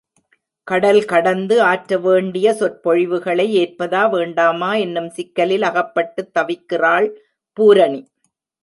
கடல் கடந்து ஆற்ற வேண்டிய சொற்பொழிவுகளை ஏற்பதா, வேண்டாமா என்னும் சிக்கலில் அகப்பட்டுத் தவிக்கிறாள் பூரணி.